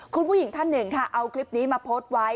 คุณผู้หญิงท่านหนึ่งค่ะเอาคลิปนี้มาโพสต์ไว้